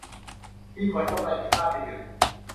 มีผลกำไรที่คาดไม่ถึง